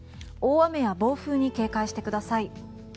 大雨や暴風に警戒してください。